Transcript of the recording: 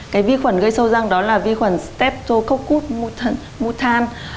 cái vi khuẩn gây sâu răng đó là vi khuẩn steptococcus mutans